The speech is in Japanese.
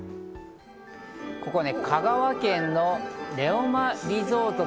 ここは香川県のレオマリゾート。